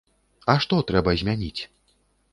А што трэба змяніць?